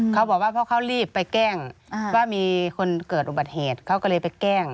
เขาบอกว่าเพราะเขารีบไปแกล้งว่ามีคนเกิดอุบัติเหตุเขาก็เลยไปแกล้ง